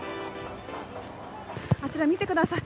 あちら見てください。